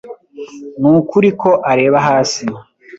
Nukuri ko areba hasi